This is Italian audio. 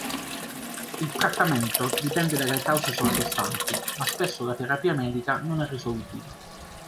Il trattamento dipende dalle cause sottostanti, ma spesso la terapia medica non è risolutiva.